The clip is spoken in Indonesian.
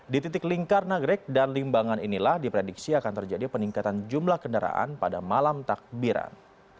di titik lingkar nagrek dan limbangan inilah diprediksi akan terjadi peningkatan jumlah kendaraan pada malam takbiran